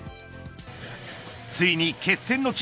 ついに決戦の地